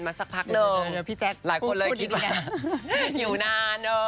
มาสักพักเดิมหลายคนเลยคิดว่าอยู่นาน